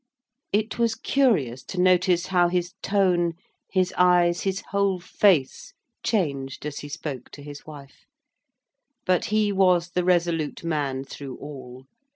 It was curious to notice how his tone, his eyes, his whole face changed as he spoke to his wife; but he was the resolute man through all.